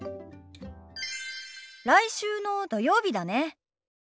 来週の土曜日だね。